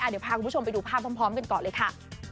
เดี๋ยวพาคุณผู้ชมไปดูภาพพร้อมกันก่อนเลยค่ะ